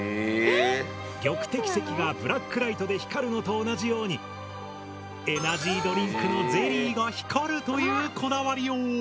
玉滴石がブラックライトで光るのと同じようにエナジードリンクのゼリーが光るというこだわりよう。